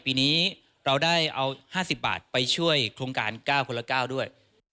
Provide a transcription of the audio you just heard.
ปีนี้เราได้เอา๕๐บาทไปช่วยโครงการ๙คนละ๙ด้วย